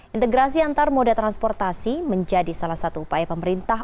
integrasi antar moda transportasi menjadi salah satu upaya pemerintah